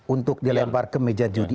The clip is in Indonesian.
untuk dilempar ke meja judi